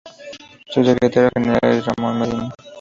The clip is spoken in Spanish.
Su secretario general es Ramón Medina.